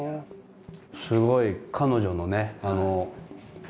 すごい彼女のね。